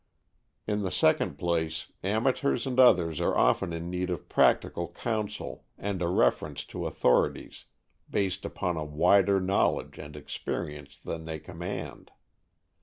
In the second place, amateurs and others are often in need of practical counsel and a reference to authorities based upon a wider knowledge and experience than they command.